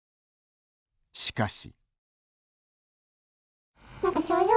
しかし。